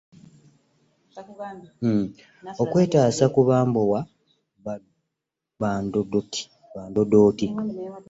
Okwetaasa ku bambowa ba Ndodooti.